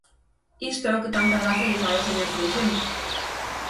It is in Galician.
Isto é o que tanta graza lle fai ao señor Freixendo.